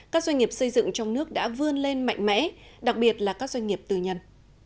các doanh nghiệp xây dựng trong nước đã vươn lên mạnh mẽ đặc biệt là các doanh nghiệp tư nhân